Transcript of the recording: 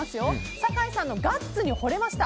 酒井さんのガッツに惚れました！